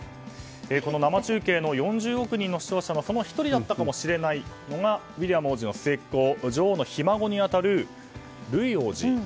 この生中継の４０億人の視聴者のその１人だったかもしれないウィリアム王子の末っ子女王のひ孫に当たるルイ王子。